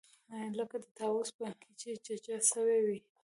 لکه د طاووس بڼکې چې چجه سوې وي.